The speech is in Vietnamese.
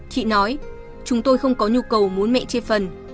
chị nói chúng tôi không có nhu cầu muốn mẹ chê phần